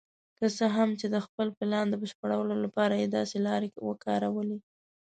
که څه هم چې د خپل پلان د بشپړولو لپاره یې داسې لارې وکارولې.